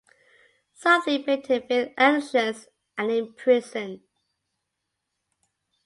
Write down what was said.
Something made him feel anxious and imprisoned.